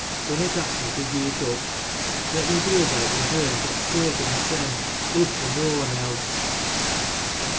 Dunnot ask me to gi'e it up. Lei me do as I ha' been doin', fur th' sake o' mysen, if fui tio one else."